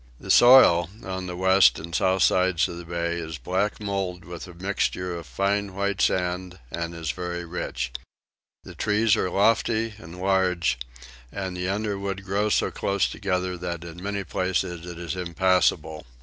The soil on the west and south sides of the bay is black mould with a mixture of fine white sand and is very rich. The trees are lofty and large, and the underwood grows so close together that in many places it is impassable.